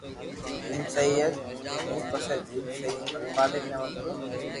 ايم سھي ھي ني پسي جيم مالڪ ني منظور